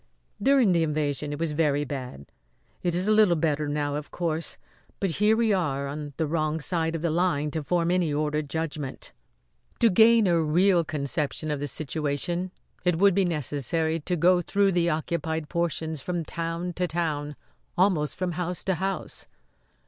"During the invasion it was very bad. It is a little better now, of course; but here we are on the wrong side of the line to form any ordered judgment. To gain a real conception of the situation it would be necessary to go through the occupied portions from town to town, almost from house to house.